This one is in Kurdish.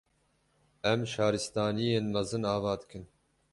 Em Şaristaniyên mezin ava dikin